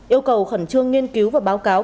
yêu cầu khẩn trương nghiên cứu và báo cáo